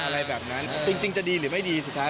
เราจะซึ่งจะดีหรือไม่ดีสุดท้าย